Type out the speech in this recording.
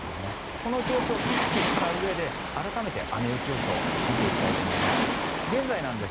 この状況を意識したうえで改めて雨・雪予想見ていきたいと思います。